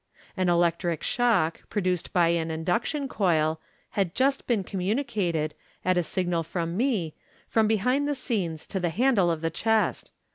" An electric shock, produced by an induction coil, had just been communicated, at a signal from me, from behind the scenes to the handle of the chest.